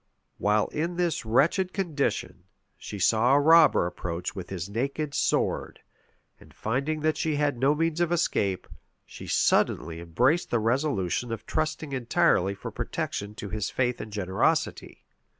While in this wretched condition, she saw a robber approach with his naked sword; and finding that she had no means of escape, she suddenly embraced the resolution of trusting entirely for protection to his faith and generosity.